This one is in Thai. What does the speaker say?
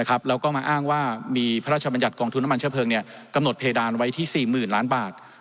แล้วก็มาอ้างว่ามีพระราชบัญญัติกองทุนน้ำมันเชื้อเพลิงกำหนดเพดานไว้ที่๔๐๐๐ล้านบาท